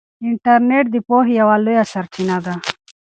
انټرنیټ د پوهې یوه لویه سرچینه ده.